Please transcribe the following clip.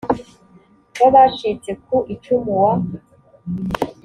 w abacitse ku icumu wa